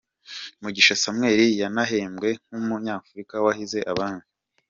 Mugisha Samuel yanahembwe nk'umunyafurika wahize abandi .